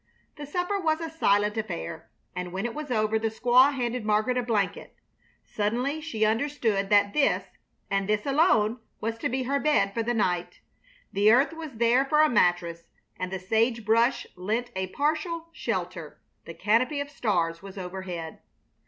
The supper was a silent affair, and when it was over the squaw handed Margaret a blanket. Suddenly she understood that this, and this alone, was to be her bed for the night. The earth was there for a mattress, and the sage brush lent a partial shelter, the canopy of stars was overhead.